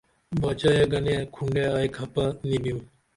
باچائے گنے کُھنڈے ائی کھپہ نی بیم